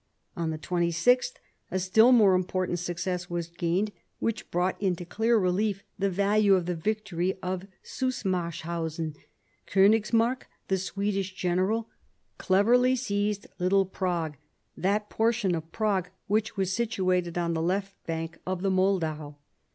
On the 26th a still more important success was gained, which brought into clear relief the value of the victory of Zusmarshausen. Konigsmark, the Swedish general, cleverly seized Little Prague, that portion of Prague which was situated on the left bank of the Moldau.